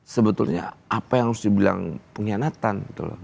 sebetulnya apa yang harus dibilang pengkhianatan